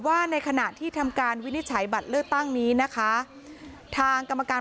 ในขณะที่ทำการวินิจฉัยบัตรเลือกตั้งนี้นะคะทางกรรมการ